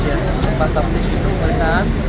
tempat tap tis itu pemeriksaan